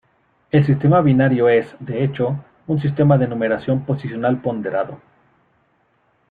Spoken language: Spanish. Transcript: El sistema binario es, de hecho, un sistema de numeración posicional ponderado.